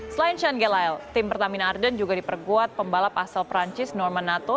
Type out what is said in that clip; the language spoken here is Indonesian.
selain sean gelayel tim pertamina arden juga diperkuat pembalap asal perancis norman nato